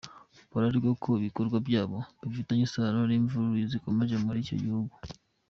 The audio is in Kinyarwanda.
Bararegwa ko ibikorwa byabo bifitanye isano n'imvururu zikomeje muri icyo gihugu.